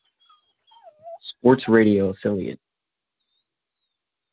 Sports Radio affiliate.